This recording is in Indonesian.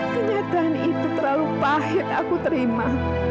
kenyataan itu terlalu pahit aku terima